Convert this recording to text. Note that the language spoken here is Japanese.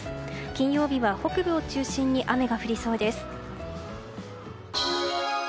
金曜日は北部を中心に雨が降りそうです。